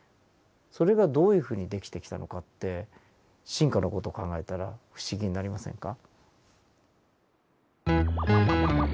それがどういうふうにできてきたのかって進化の事考えたら不思議になりませんか？